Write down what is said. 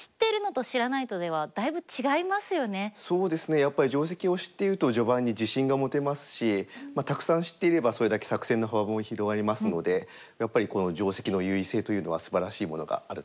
やっぱり定石を知っていると序盤に自信が持てますしたくさん知っていればそれだけ作戦の幅も広がりますのでやっぱりこの定石の優位性というのはすばらしいものがあると思います。